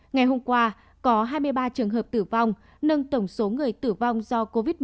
ngày hôm qua có hai mươi ba trường hợp tử vong nâng tổng số người tử vong do covid một mươi chín